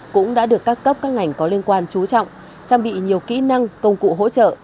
cũng đã được các cấp các ngành có liên quan trú trọng trang bị nhiều kỹ năng công cụ hỗ trợ